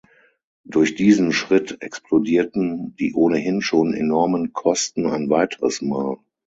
Durch diesen Schritt explodierten die ohnehin schon enormen Kosten ein weiteres Mal.